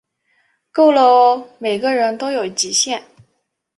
够了喔，每个人都有极限